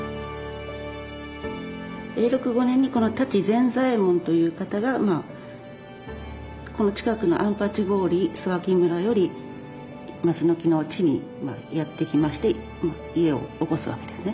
永禄５年にこの舘善左エ門という方がまあこの近くの安八郡須脇村より松木の地にやって来まして家をおこすわけですね。